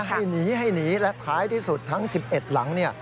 ให้หนีและท้ายที่สุดทั้ง๑๑หลัง